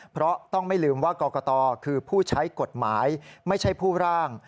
เพราะต้องไม่ลืมว่ากรกตคือผู้ใช้กฎหมายไม่ใช่ผู้ร่าง